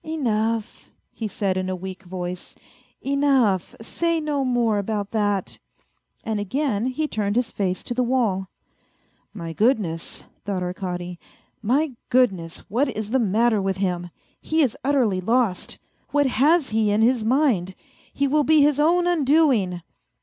" Enough," he said in a weak voice, " enough ! Say no more about that !" And again he turned his face to the wall. " My goodness !" thought Arkady, " my goodness ! What is the matter with him ? He is utterly lost. What has he in his mind ! He will be his own undoing."